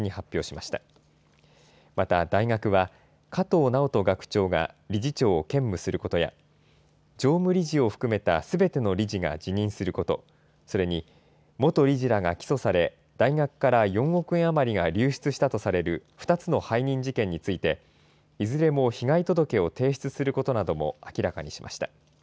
また、大学は、加藤直人学長が理事長を兼務することや、常務理事を含めたすべての理事が辞任すること、それに元理事らが起訴され、大学から４億円余りが流出したとされる２つの背任事件について、いずれも被害届を提出することなども明らかにしました。